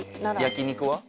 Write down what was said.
焼き肉は？